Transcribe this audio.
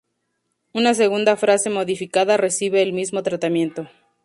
Una segunda frase modificada recibe el mismo tratamiento.